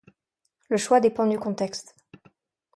Le choix dépend du contexte.